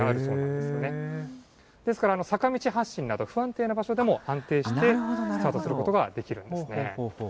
ですから、坂道発進など、不安定な場所でも安定してスタートすることができるんですね。